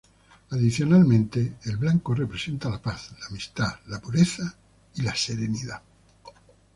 Adicionalmente el blanco representa la paz, la amistad, la pureza y la serenidad.